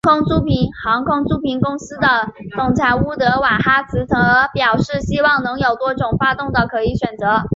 航空租赁公司的总裁乌德瓦哈兹则表示希望能有多种发动的可以选择。